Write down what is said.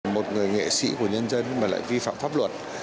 một người nghệ sĩ của nhân dân mà lại vi phạm pháp luật